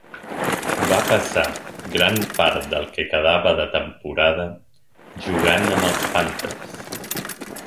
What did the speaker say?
Va passa gran part del que quedava de temporada jugant amb els Panthers.